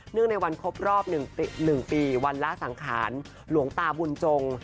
เนื่องในวันครบรอบหนึ่งปีหนึ่งปีวันล่าสังขารหลวงตาบุญจง